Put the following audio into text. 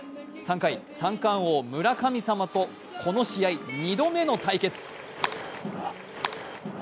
３回、三冠王・村神様とこの試合、２度目の対決。